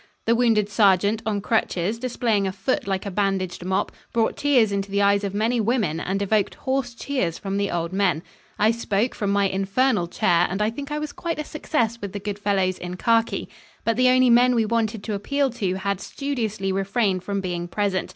The wounded sergeant, on crutches, displaying a foot like a bandaged mop, brought tears into the eyes of many women and evoked hoarse cheers from the old men. I spoke from my infernal chair, and I think I was quite a success with the good fellows in khaki. But the only men we wanted to appeal to had studiously refrained from being present.